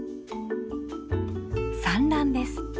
産卵です。